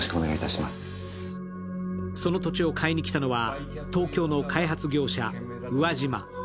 その土地を買いに来たのは東京の開発業者・宇和島。